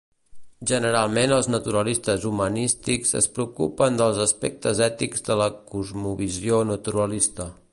Generalment els naturalistes humanístics es preocupen dels aspectes ètics de la cosmovisió naturalista.